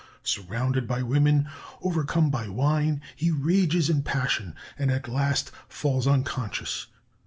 Surrounded by women, overcome by wine, he rages in passion, and at last falls unconscious....